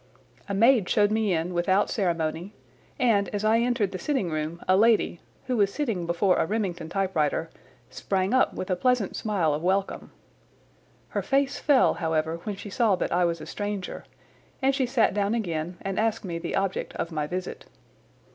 A maid showed me in without ceremony, and as I entered the sitting room a lady, who was sitting before a Remington typewriter, sprang up with a pleasant smile of welcome. Her face fell, however, when she saw that I was a stranger, and she sat down again and asked me the object of my visit.